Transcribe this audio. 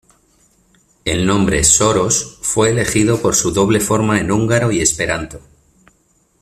El nombre "Soros" fue elegido por su doble forma en húngaro y esperanto.